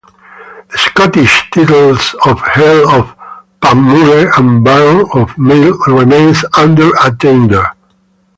The Scottish titles of Earl of Panmure and Baron of Maule remain under attainder.